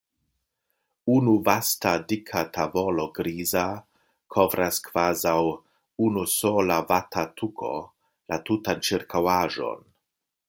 Unu vasta dika tavolo griza kovras kvazaŭ unu sola vata tuko la tutan ĉirkaŭaĵon.